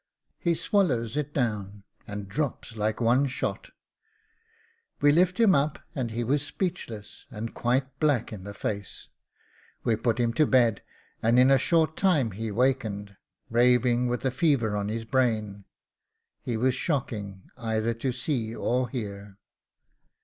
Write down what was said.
He swallows it down, and drops like one shot. We lifts him up, and he was speechless, and quite black in the face. We put him to bed, and in a short time he wakened, raving with a fever on his brain. He was shocking either to see or hear.